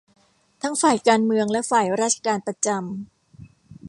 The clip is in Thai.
ทั้งฝ่ายการเมืองและฝ่ายราชการประจำ